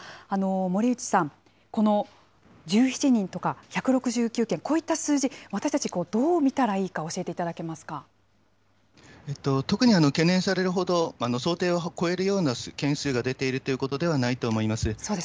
森内さん、この１７人とか１６９件、こういった数字、私たち、どう見たらい特に懸念されるほど、想定を超えるような件数が出ているということではないと思います。